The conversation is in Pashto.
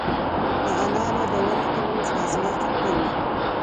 د انارو د ونو ترمنځ فاصله څومره وي؟